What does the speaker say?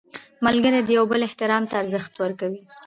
ملګری د یو بل احترام ته ارزښت ورکوي